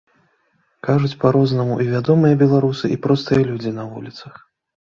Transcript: Кажуць па-рознаму і вядомыя беларусы, і простыя людзі на вуліцах.